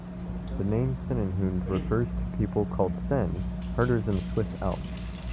The name Sennenhund refers to people called "Senn", herders in the Swiss Alps.